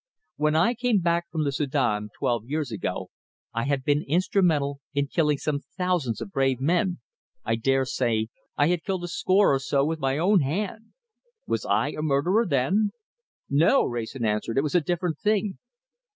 "When I came back from the Soudan twelve years ago, I had been instrumental in killing some thousands of brave men, I dare say I had killed a score or so with my own hand. Was I a murderer then?" "No!" Wrayson answered. "It was a different thing."